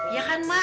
ya kan mak